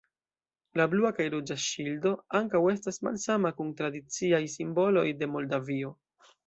La blua kaj ruĝa ŝildo ankaŭ estas malsama kun tradiciaj simboloj de Moldavio.